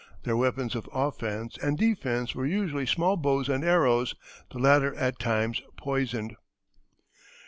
Their weapons of offence and defence were usually small bows and arrows, the latter at times poisoned.